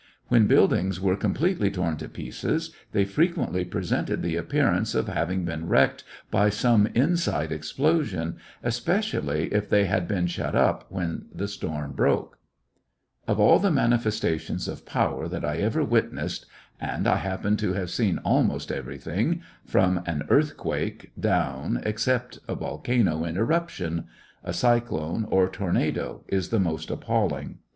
When buildings were completely torn to pieces they frequently presented the appearance of having been wrecked by some inside explosion, especially if they had been shut up when the storm broke. Of all the manifestations of power that I ^,^^J'^^: ever witnessed,— and I happen to have seen pesu,,,good Lord, deliver almost everything, from an earthquake down, us'* 71 g lyiissionarY in tP^e Great West except a volcano in eruption,— a cyclone, or tornado, is the most appalling.